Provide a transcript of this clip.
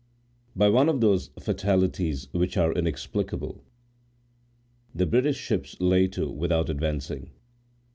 By one of those fatalities which are inexplicable, the British ships lay to without advancing.